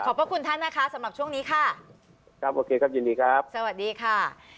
พระคุณท่านนะคะสำหรับช่วงนี้ค่ะครับโอเคครับยินดีครับสวัสดีค่ะ